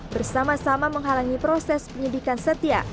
bersama sama menghalangi proses penyidikan setia